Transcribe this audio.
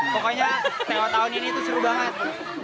pokoknya lewat tahun ini itu seru banget